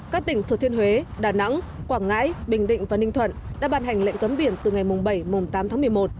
các tỉnh thừa thiên huế đà nẵng quảng ngãi bình định và ninh thuận đã ban hành lệnh cấm biển từ ngày bảy tám tháng một mươi một